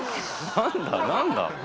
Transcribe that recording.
何だ？